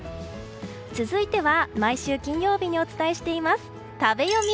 続いては毎週金曜日にお伝えしています食べヨミ。